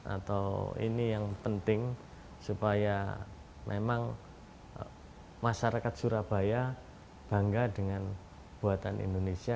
atau ini yang penting supaya memang masyarakat surabaya bangga dengan buatan indonesia